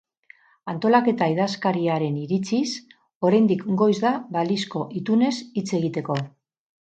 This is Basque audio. Antolaketa idazkariaren iritziz, oraindik goiz da balizko itunez hitz egiteko.